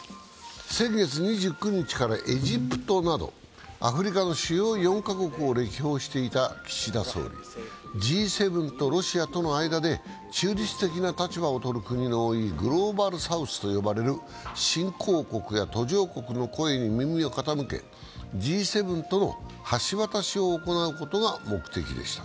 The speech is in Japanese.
先月２９日からエジプトなどアフリカの主要４か国を歴訪していた岸田総理、Ｇ７とロシアとの間で中立的な立場を取る国の多いグローバルサウスと呼ばれる新興国や途上国の声に耳を傾けＧ７との橋渡しを行うことが目的でした。